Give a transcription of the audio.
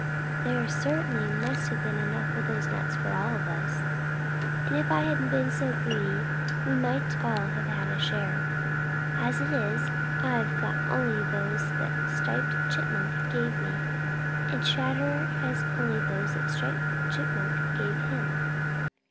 "There certainly must have been enough of those nuts for all of us, and if I hadn't been so greedy we might all have had a share. As it is, I've got only those that Striped Chipmunk gave me, and Chatterer has only those that Striped Chipmunk gave him.